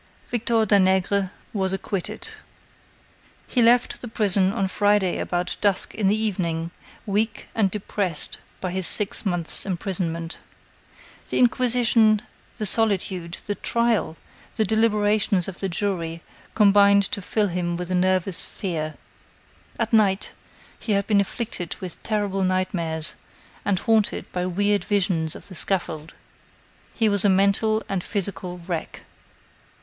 Victor Danègre was acquitted. He left the prison on Friday about dusk in the evening, weak and depressed by his six months' imprisonment. The inquisition, the solitude, the trial, the deliberations of the jury, combined to fill him with a nervous fear. At night, he had been afflicted with terrible nightmares and haunted by weird visions of the scaffold. He was a mental and physical wreck.